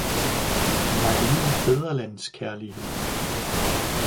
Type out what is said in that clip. De har ingen Fædrelands-Kjærlighed!